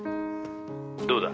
「どうだ？」